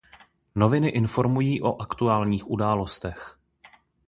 Noviny informují o aktuálních událostech.